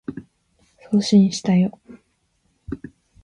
送信したよ